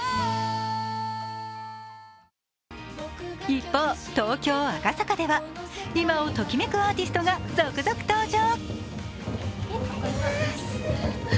一方、東京・赤坂では今をときめくアーティストが続々登場。